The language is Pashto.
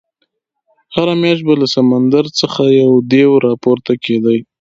هره میاشت به له سمندر څخه یو دېو راپورته کېدی.